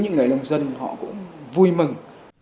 những người nông dân họ cũng vui mừng